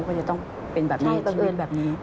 ว่าจะต้องเป็นแบบนี้ชีวิตแบบนี้